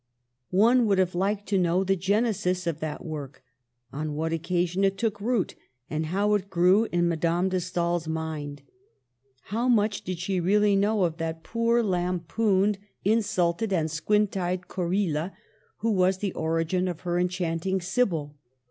One would have liked to know the genesis of that work, on what occasion it took root, and how it grew, in Madame de Stael's mind. How much 4i4 shq really know of that poor, lampooned, Digitized by VjOOQLC AND AUGUSTS SCHLEGEL AT ROME. I45 insulted, and Squint eyed Corilla who was the origin of her enchanting Sibyl